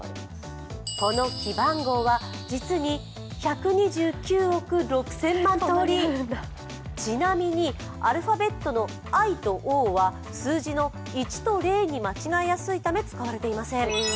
この記番号は実に１２９億６０００万通りちなみにアルファベットの「Ｉ」と「Ｏ」は数字の「１」と「０」に間違えやすいため使われていません。